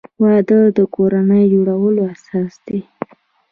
وادۀ د کورنۍ جوړولو اساس دی.